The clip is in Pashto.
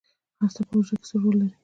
هسته په حجره کې څه رول لري؟